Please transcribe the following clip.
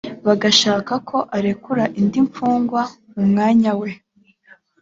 bagashaka ko arekura indi mfungwa mu mwanya we